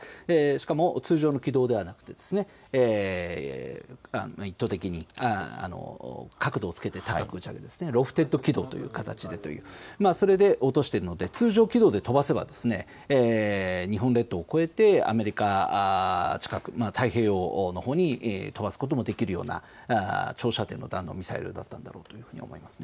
しかも通常の軌道ではなく角度をつけて高く打ち上げるロフテッド軌道という形でそれで落としているので通常軌道で飛ばせば日本列島を越えてアメリカ近く、太平洋のほうに飛ばすことができるような長射程の弾道ミサイルだったんだろうと思います。